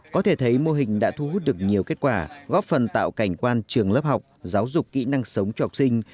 có thể thấy mô hình đã thu hút được nhiều kết quả góp phần tạo cảnh quan trường lớp học giáo dục kỹ năng sống cho học sinh